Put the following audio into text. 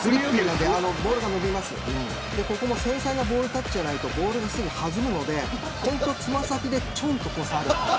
ここも繊細なボールタッチじゃないとボールが弾むので爪先でちょんと触ると。